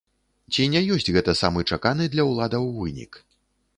Ці не ёсць гэта самы чаканы для ўладаў вынік?